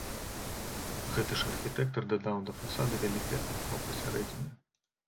Гэты ж архітэктар дадаў да фасада вялікае акно пасярэдзіне.